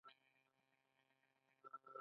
د غور په تیوره کې د څه شي نښې دي؟